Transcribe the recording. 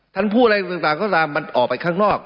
ท่านพูดอะไรต่างก็ตามมันออกไปข้างนอก